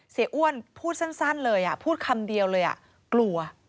เสียอ้วนพูดสั้นเลยอ่ะพูดคำเดียวเลยอ่ะกลัว